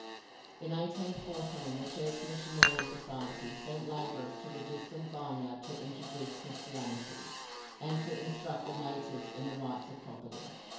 In 1814 the Church Missionary Society sent labourers to the distant vineyard to introduce Christianity, and to instruct the natives in the rights of property.